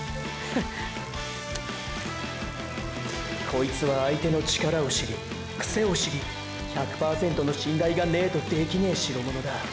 こいつは相手の力を知りクセを知り１００％の信頼がねぇとできねぇシロモノだ！！